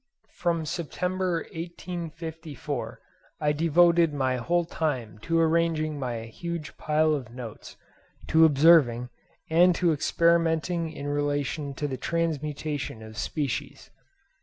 From September 1854 I devoted my whole time to arranging my huge pile of notes, to observing, and to experimenting in relation to the transmutation of species.